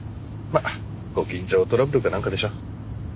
まあご近所トラブルかなんかでしょ。